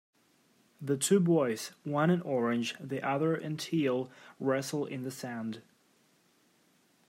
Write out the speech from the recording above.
The two boys, one in orange the other in teal, wrestle in the sand.